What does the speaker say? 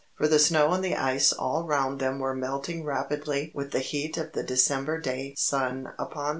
For the snow and the ice all round them were melting rapidly with the heat of the December day sun upon it.